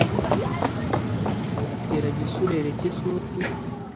atera gisurere cy’i suti